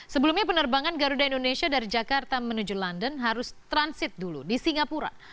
sebelumnya penerbangan garuda indonesia dari jakarta menuju london harus transit dulu di singapura